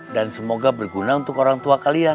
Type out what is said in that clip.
dan semoga berguna untuk orang tua kalian